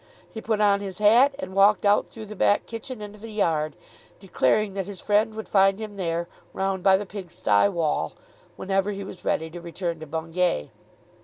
He put on his hat and walked out through the back kitchen into the yard declaring that his friend would find him there, round by the pig stye wall, whenever he was ready to return to Bungay.